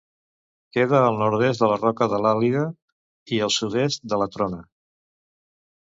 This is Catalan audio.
Queda al nord-est de la Roca de l'Àliga i al sud-est de la Trona.